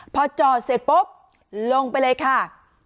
พอจอดเสร็จปุ๊บลงไปเลยค่ะ